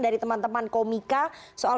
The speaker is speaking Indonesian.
dari teman teman komika soal